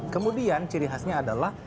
kemudian ciri khasnya adalah